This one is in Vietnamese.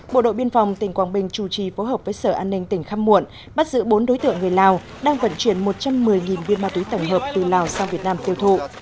bộ đội biên phòng tỉnh quảng bình chủ trì phối hợp với sở an ninh tỉnh khăm muộn bắt giữ bốn đối tượng người lào đang vận chuyển một trăm một mươi viên ma túy tổng hợp từ lào sang việt nam tiêu thụ